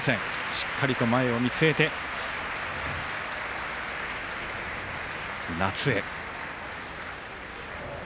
しっかりと前を見据えて夏へ。